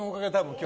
今日。